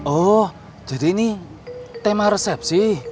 oh jadi ini tema resepsi